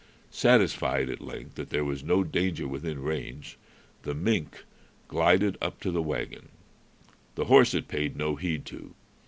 Satisfied at length that there was no danger within range, the mink glided up to the wagon. The horse it paid no heed to.